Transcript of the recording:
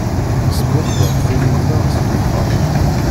Nesbumbex turin-nneɣ s ddexxan.